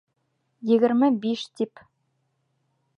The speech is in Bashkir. Егерме биш тип.